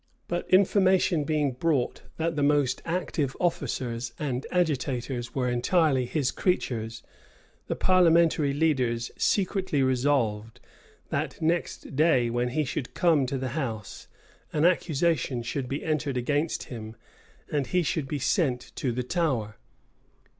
But information being brought that the most active officers and agitators were entirely his creatures, the parliamentary leaders secretly resolved, that, next day, when he should come to the house, an accusation should be entered against him, and he should be sent to the Tower.